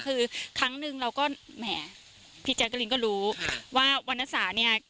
คือครั้งหนึ่งเราก็แหมพี่แจกริงก็รู้ว่าวันนั้นสาเนี่ย